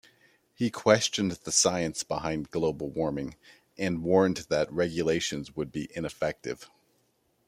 He questioned the science behind global warming, and warned that regulations would be ineffective.